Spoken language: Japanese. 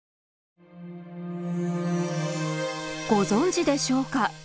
ご存じでしょうか。